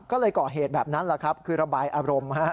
ก็เลยก่อเหตุแบบนั้นแหละครับคือระบายอารมณ์